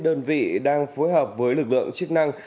đơn vị đang phối hợp với lực lượng chức năng